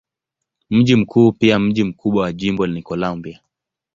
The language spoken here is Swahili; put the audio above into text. Mji mkuu pia mji mkubwa wa jimbo ni Columbia.